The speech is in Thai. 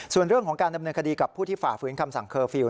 ส่วนเรื่องของการดำเนินคดีกับผู้ที่ฝ่าฝืนคำสั่งเคอร์ฟิลล